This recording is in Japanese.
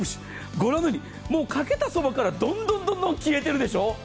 ご覧のようにかけたそばからどんどん消えているでしょ。